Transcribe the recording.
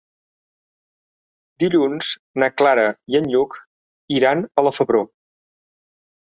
Dilluns na Clara i en Lluc iran a la Febró.